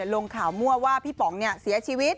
ลงข่าวมั่วว่าพี่ป๋องเสียชีวิต